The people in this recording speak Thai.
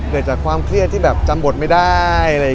เกิดจากความเครียดที่แบบจำบทไม่ได้